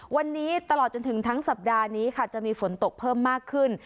วันนี้ตลอดจนถึงทั้งสัปดาห์นี้ค่ะจะมีฝนตกเพิ่มมากขึ้น